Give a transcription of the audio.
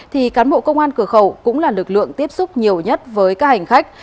thì cán bộ công an cửa khẩu cũng là lực lượng tiếp xúc nhiều nhất với các hành khách